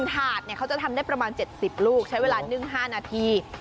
ถาดเขาจะทำได้ประมาณ๗๐ลูกใช้เวลานึ่ง๕นาที